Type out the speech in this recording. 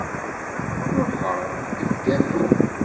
Ruḥeɣ gefgafi!